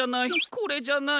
これじゃない。